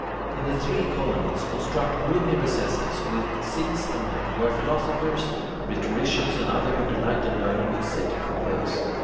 In the three colonnades construct roomy recesses (A) with seats in them, where philosophers, rhetoricians, and others who delight in learning may sit and converse.